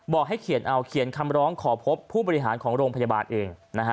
ให้เขียนเอาเขียนคำร้องขอพบผู้บริหารของโรงพยาบาลเองนะฮะ